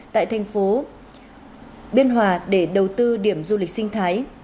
tại thành phố biên hòa để đầu tư điểm du lịch sinh thái